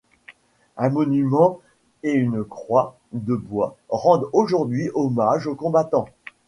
Un monument et une croix de bois rendent aujourd'hui hommage aux combattants.